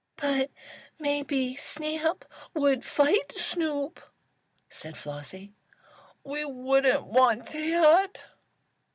"But maybe Snap would fight Snoop," said Flossie. "We wouldn't want that."